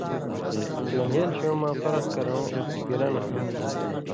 لن٘گھېل ݜېوں مہ فرق کرؤں گِران ہُوئ تُھو،